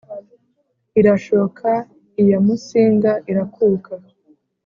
irashoka iya músinga irakuka